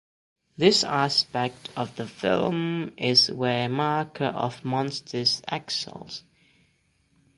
This aspect of the film is where "Maker of Monsters" excels.